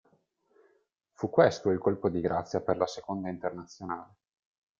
Fu questo il colpo di grazia per la Seconda Internazionale.